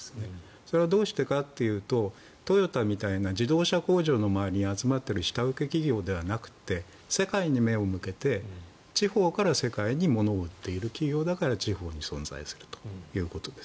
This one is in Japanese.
それはどうしてかというとトヨタみたいな自動車工場の周りに集まっている下請け企業ではなくて世界に目を向けて地方から世界にものを売っている企業だから地方に存在するということです。